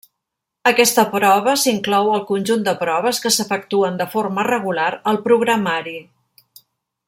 Aquesta prova s'inclou al conjunt de proves que s'efectuen de forma regular al programari.